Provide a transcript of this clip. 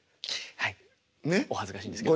はいお恥ずかしいんですけど。